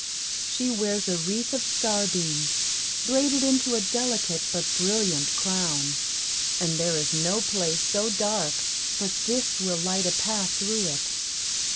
She wears a wreath of starbeams, braided into a delicate but brilliant crown; and there is no place so dark but this will light a path through it.